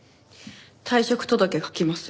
退職届書きます。